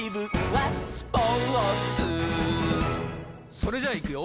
それじゃいくよ